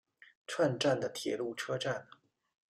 串站的铁路车站。